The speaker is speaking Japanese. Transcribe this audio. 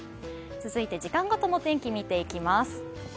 続いて時間ごとの天気、見ていきます。